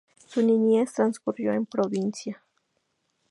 Su niñez transcurrió en provincia.